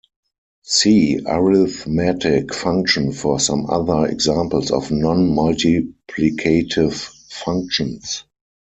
See arithmetic function for some other examples of non-multiplicative functions.